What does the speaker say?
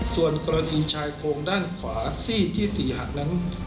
ส่วนกรณีชายโครงด้านขวาซี่ที่๔หักนั้น